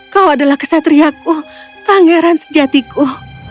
kau adalah kesatriaku pangeran sejatiku